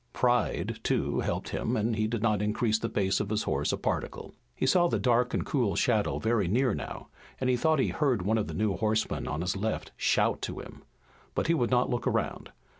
Pride, too, helped him and he did not increase the pace of his horse a particle. He saw the dark, cool shadow very near now, and he thought he heard one of the new horsemen on his left shout to him. But he would not look around.